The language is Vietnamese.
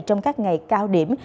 trong các ngày cao điểm